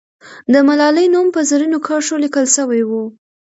د ملالۍ نوم په زرینو کرښو لیکل سوی وو.